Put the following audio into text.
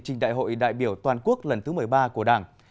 trình đại hội đại biểu toàn quốc lần thứ một mươi ba của đảng